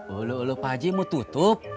ulu ulu pak haji mau tutup